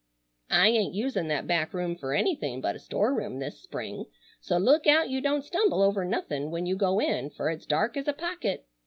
I ain't usin' that back room fer anythin' but a store room this spring, so look out you don't stumble over nothin' when you go in fer it's dark as a pocket.